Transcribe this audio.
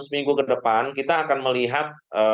seminggu ke depan kita akan melihat